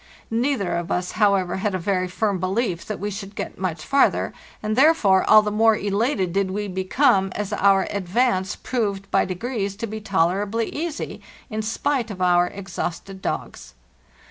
Neither of us, however, had a very firm belief that we should get much farther, and therefore all the more elated did we become as our advance proved by de grees to be tolerably easy, in spite of our exhausted dogs.